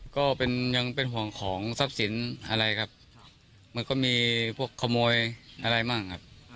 ก็ยังเป็นห่วงของทรัพย์สินอะไรครับมันก็มีพวกขโมยอะไรบ้างครับ